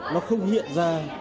nó không hiện ra